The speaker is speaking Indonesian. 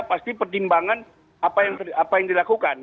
pasti pertimbangan apa yang dilakukan